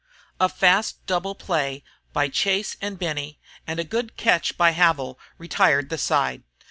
A fast double play by Chase and Benny and a good catch by Havil retired the side.